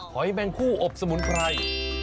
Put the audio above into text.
หอยแมงคู่อบสมุนไพร